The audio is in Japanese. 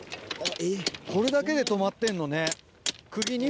これだけで留まってんのね。